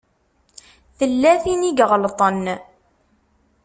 Tella tin i iɣelṭen.